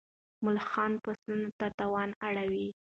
ملخانو فصلونو ته تاوان اړولی و.